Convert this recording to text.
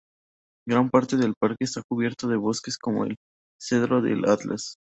Gran parte del parque está cubierto de bosques como el cedro del Atlas.